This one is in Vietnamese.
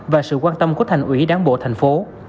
và sự quan tâm của thành ủy đảng bộ thành phố